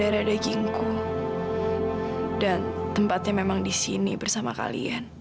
alia kamu ngapain di sini al